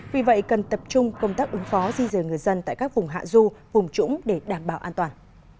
vì vậy cần tập trung công tác ứng phó di dời người dân tại các vùng hạ du vùng trũng để đảm bảo an toàn